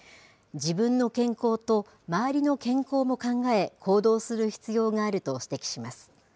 自分の健康と周りの健康も考え、行動する必要があると指摘します。